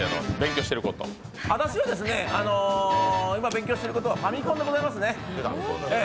私はですね、今勉強してることはファミコンでございますね。